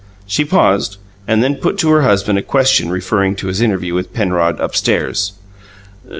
She paused, and then put to her husband a question referring to his interview with Penrod upstairs.